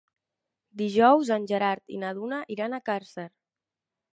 Dijous en Gerard i na Duna iran a Càrcer.